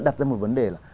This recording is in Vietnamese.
đặt ra một vấn đề là